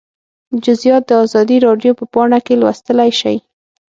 جزییات د ازادي راډیو په پاڼه کې لوستلی شئ